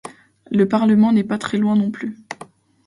Le Parlement n'est pas très loin non plus.